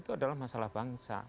itu adalah masalah bangsa